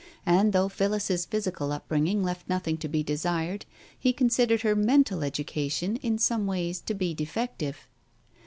And though Phillis's physical upbringing left nothing to be desired, he considered her mental education in some ways to be defective.